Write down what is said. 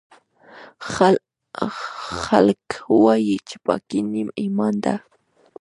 خلکوایي چې پاکۍ نیم ایمان ده